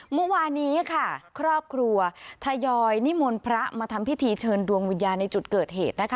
เมื่อวานนี้ค่ะครอบครัวทยอยนิมนต์พระมาทำพิธีเชิญดวงวิญญาณในจุดเกิดเหตุนะคะ